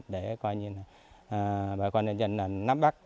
để bà con nhân dân nắm bắt